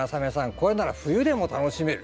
これなら冬でも楽しめる。